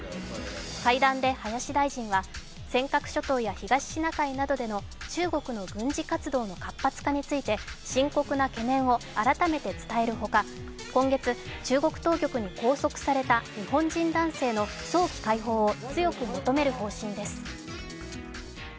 階段で林大臣は尖閣諸島や東シナ海などでの中国の軍事活動の活発化について、深刻な懸念を改めて伝えるほか、今月、中国当局に拘束された日本人男性の早期解放を強く求める方針です。